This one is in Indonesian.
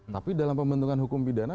tapi dalam pembentukan hukum pidana